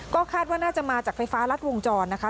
ก็คาดว่าน่าจะมาจากไฟฟ้ารัดวงจรนะคะ